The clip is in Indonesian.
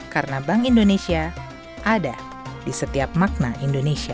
karena bank indonesia ada di setiap makna indonesia